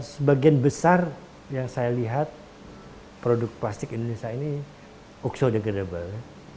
sebagian besar yang saya lihat produk plastik indonesia ini okso degradable